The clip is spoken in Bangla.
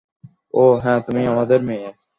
ওহ, হ্যাঁ, তুমি আমাদের মেয়ে।